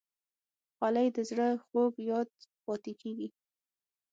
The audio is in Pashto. خولۍ د زړه خوږ یاد پاتې کېږي.